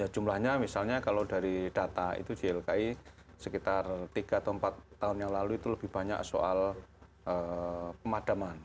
jumlahnya misalnya kalau dari data itu ylki sekitar tiga atau empat tahun yang lalu itu lebih banyak soal pemadaman